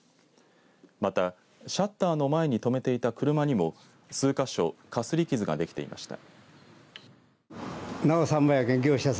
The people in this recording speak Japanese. また、シャッターの前に止めていた車にも数か所かすり傷ができていました。